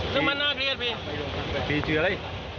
จึงมันน่าเกลียดไป